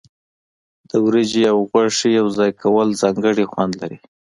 د وریجې او غوښې یوځای کول ځانګړی خوند لري.